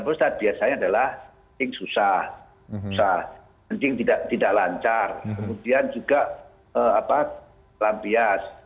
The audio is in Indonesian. prostat biasanya adalah kencing susah kencing tidak tidak lancar kemudian juga apa lampias